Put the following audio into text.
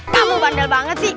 kamu bandel banget sih